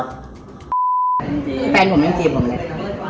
แฟนผมยังกลีบกับเราไม่เลย